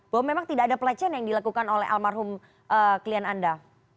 bahwa memang tidak ada pelecehan yang dilakukan oleh almarhum klien anda